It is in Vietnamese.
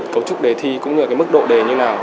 cấu trúc đề thi cũng như cái mức độ đề như nào